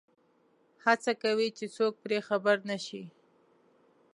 هڅه کوي چې څوک پرې خبر نه شي.